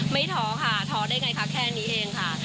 ท้อค่ะท้อได้ไงคะแค่นี้เองค่ะ